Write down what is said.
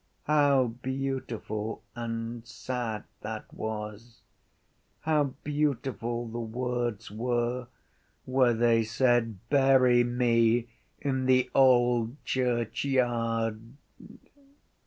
How beautiful and sad that was! How beautiful the words were where they said _Bury me in the old churchyard!